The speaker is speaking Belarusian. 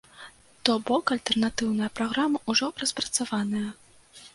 То бок, альтэрнатыўная праграма ўжо распрацаваная.